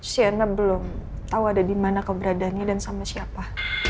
siana belum tahu ada di mana keberadaannya dan sama siapa